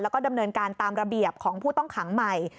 แล้วก็ดำเนินการตามระเบียบของผู้ต้องขังใหม่